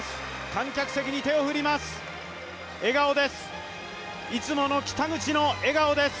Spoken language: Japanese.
観客席に手を振ります。